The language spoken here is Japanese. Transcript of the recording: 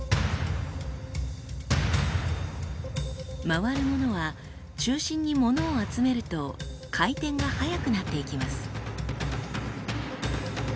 回るものは中心にものを集めると回転が速くなっていきます。